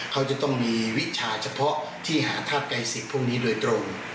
เขาจะต้องมีวิชาเฉพาะที่หาธาตุไกลสิทธิ์พวกนี้โดยตรง